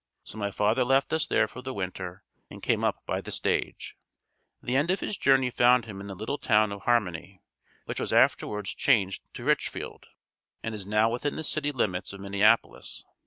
So my father left us there for the winter and came up by the stage. The end of his journey found him in the little town of Harmony, which was afterwards changed to Richfield, and is now within the city limits of Minneapolis.